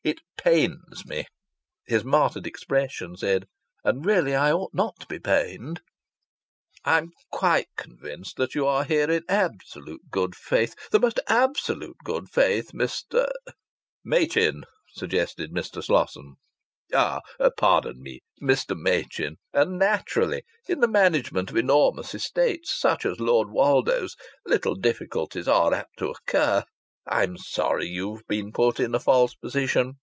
"It pains me." (His martyred expression said, "And really I ought not to be pained!") "I'm quite convinced that you are here in absolute good faith the most absolute good faith Mr. " "Machin," suggested Mr. Slosson. "Ah! pardon me! Mr. Machin. And naturally in the management of enormous estates such as Lord Woldo's little difficulties are apt to occur.... I'm sorry you've been put in a false position.